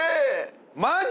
マジ？